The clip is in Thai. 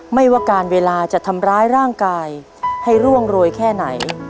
ไม่ว่าการเวลาจะทำร้ายร่างกายให้ร่วงรวยแค่ไหน